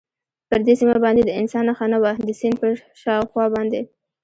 پر دې سیمه باندې د انسان نښه نه وه، د سیند پر شاوخوا باندې.